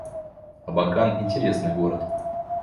Абакан — интересный город